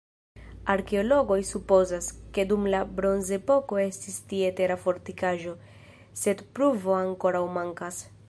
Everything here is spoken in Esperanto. Arkeologoj supozas, ke dum la bronzepoko estis tie tera fortikaĵo, sed pruvo ankoraŭ mankas.